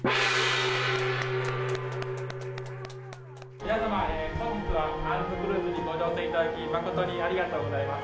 皆様、本日は杏クルーズにご乗船いただき、誠にありがとうございます。